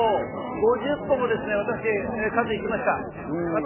５０個も私、数えました。